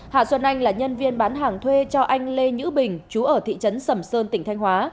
hạ xuân anh là nhân viên bán hàng thuê cho anh lê nhữ bình chú ở thị trấn sầm sơn tỉnh thanh hóa